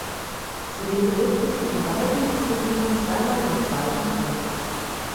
Zudem belegte sie in beiden Disziplinen zweimal den zweiten Platz.